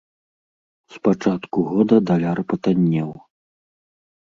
З пачатку года даляр патаннеў.